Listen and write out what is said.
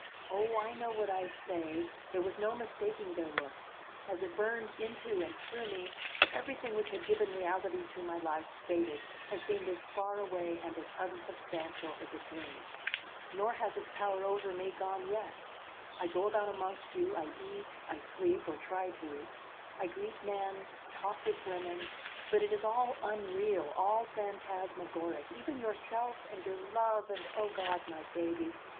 Oh, I know what I say! There was no mistaking their look. As it burned into and through me, everything which had given reality to my life faded and seemed as far away and as unsubstantial as a dream. Nor has its power over me gone yet. I go about amongst you, I eat, I sleep, or try to; I greet men, talk with women, but it is all unreal, all phantasmagoric, even yourself and your love and, O God, my baby!